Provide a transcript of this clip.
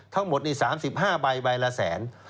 ทั้งหมดนี่๓๕ใบใบละแสน